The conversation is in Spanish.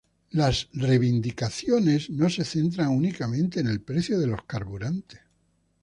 Las reivindicativos no se centran únicamente en el precio de los carburantes.